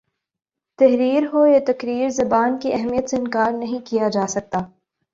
تحریر ہو یا تقریر زبان کی اہمیت سے انکار نہیں کیا جا سکتا